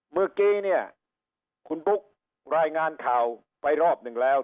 เมื่อกี้เนี่ยคุณบุ๊กรายงานข่าวไปรอบหนึ่งแล้ว